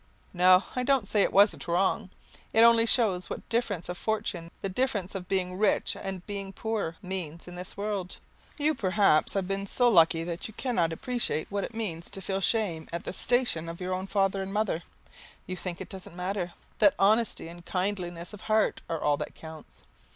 No, I don't say it wasn't wrong. It only shows what difference of fortune, the difference of being rich and being poor, means in this world. You perhaps have been so lucky that you cannot appreciate what it means to feel shame at the station of your own father and mother. You think it doesn't matter, that honesty and kindliness of heart are all that counts.